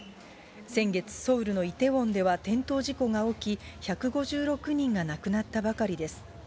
先月、ソウルのイテウォンでは転倒事故が起き、１５６人が亡くなったばかりです。